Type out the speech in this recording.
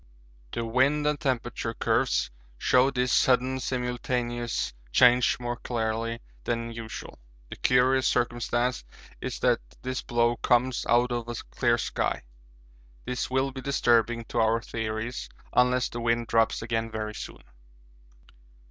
The wind and temperature curves show this sudden simultaneous change more clearly than usual. The curious circumstance is that this blow comes out of a clear sky. This will be disturbing to our theories unless the wind drops again very soon.